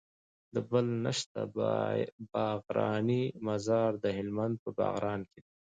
د بله نسته باغرانی مزار د هلمند په باغران کي دی